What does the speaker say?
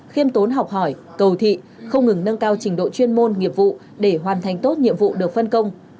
khiêm tốn học hỏi cầu thị không ngừng nâng cao trình độ chuyên môn nghiệp vụ để hoàn thành tốt nhiệm vụ được phân công